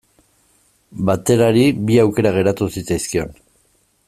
Baterari bi aukera geratu zitzaizkion.